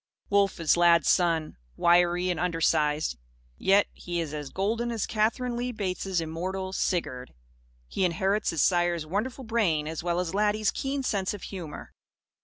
Wolf is Lad's son wiry and undersized; yet he is as golden as Katherine Lee Bates' immortal "Sigurd." He inherits his sire's wonderful brain as well as Laddie's keen sense of humour.